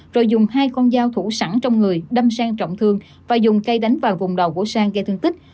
rồi dùng hai con dao thủ sẵn trong người đâm sang trọng thương và dùng cây đánh vào vùng đầu của sang gây thương tích